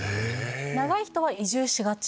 長い人は移住しがち？